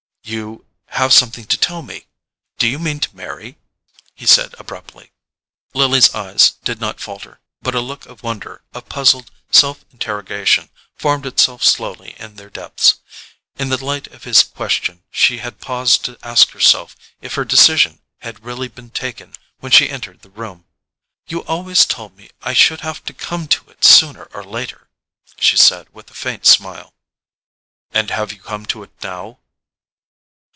"You have something to tell me—do you mean to marry?" he said abruptly. Lily's eyes did not falter, but a look of wonder, of puzzled self interrogation, formed itself slowly in their depths. In the light of his question, she had paused to ask herself if her decision had really been taken when she entered the room. "You always told me I should have to come to it sooner or later!" she said with a faint smile. "And you have come to it now?"